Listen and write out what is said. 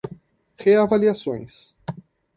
reavaliações